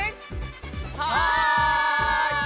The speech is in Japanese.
はい！